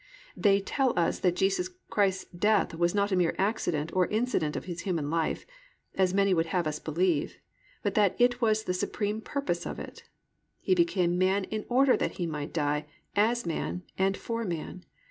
They tell us that Jesus Christ's death was not a mere accident or incident of His human life (as many would have us believe), but that it was the supreme purpose of it. He became man in order that He might die as man and for man.